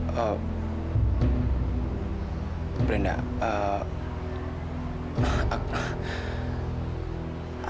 sampai jumpa di video selanjutnya